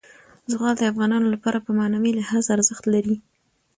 زغال د افغانانو لپاره په معنوي لحاظ ارزښت لري.